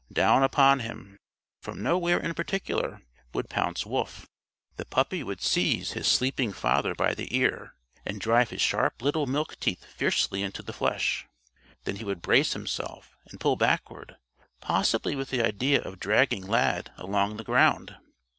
Down upon him, from nowhere in particular, would pounce Wolf. The puppy would seize his sleeping father by the ear, and drive his sharp little milk teeth fiercely into the flesh. Then he would brace himself and pull backward, possibly with the idea of dragging Lad along the ground.